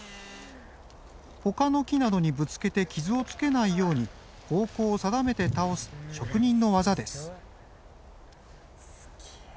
ほかの木などにぶつけて傷をつけないように方向を定めて倒す職人の技です。